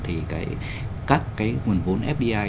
thì các nguồn vốn fdi